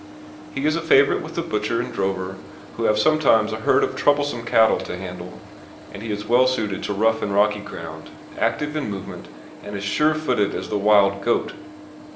He is a favourite with the butcher and drover who have sometimes a herd of troublesome cattle to handle, and he is well suited to rough and rocky ground, active in movement, and as sure footed as the wild goat.